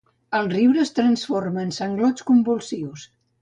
El riure es transforma en sanglots convulsius.